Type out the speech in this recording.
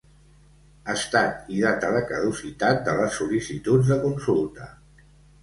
Estat i data de caducitat de les sol·licituds de consulta.